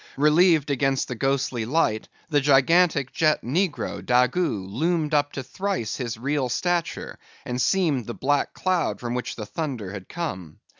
Relieved against the ghostly light, the gigantic jet negro, Daggoo, loomed up to thrice his real stature, and seemed the black cloud from which the thunder had come.